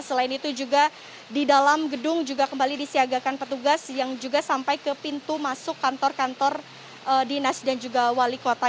selain itu juga di dalam gedung juga kembali disiagakan petugas yang juga sampai ke pintu masuk kantor kantor dinas dan juga wali kota